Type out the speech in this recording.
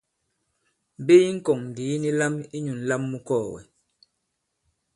Mbe yi ŋkɔ̀ŋ ndì yi ni lam inyū ǹlam mu kɔɔ̀gɛ̀.